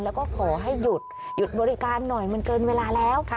แล้วก็ขอให้หยุดหยุดบริการหน่อยมันเกินเวลาแล้ว